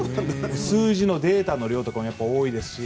数字のデータの量とかも多いですし。